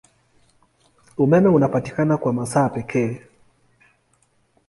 Umeme unapatikana kwa masaa pekee.